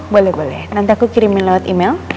boleh boleh nanti aku kirimin lewat email